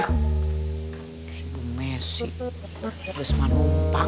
aku mau cerai sekarang juga